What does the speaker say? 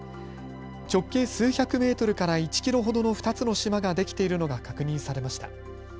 直径数百メートルから１キロほどの２つの島ができているのが確認されました。